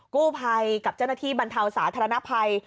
กู้ภัยกับเจ้าหน้าที่บรรเทาสาธารณภัย